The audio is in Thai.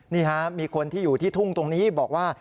นี่ฮะมีคนที่อยู่ที่ทุ่งตรงนี้บอกว่า